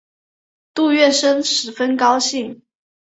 杜月笙十分高兴。